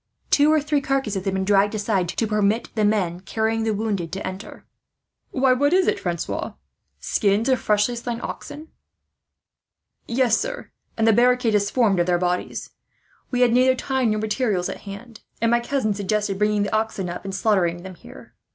Two or three of the carcasses had been dragged aside, to permit the men carrying the wounded to enter. "Why, what is it, Francois skins of freshly slain oxen?" "Yes, sir, and the barricade is formed of their bodies. We had neither time nor materials at hand, and my cousin suggested bringing the oxen up, and slaughtering them here.